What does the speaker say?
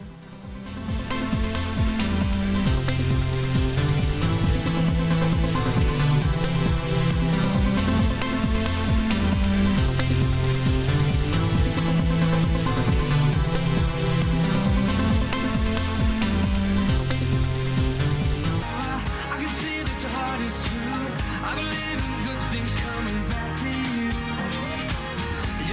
sampai jumpa di video selanjutnya